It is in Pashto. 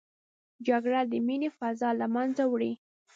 جګړه د مینې فضا له منځه وړي